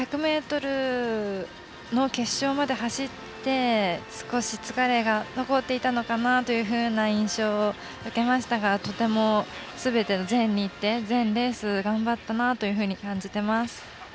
１００ｍの決勝まで走って少し疲れが残っていたのかなというふうな印象を受けましたがとても、全日程、全レース頑張ったなと感じています。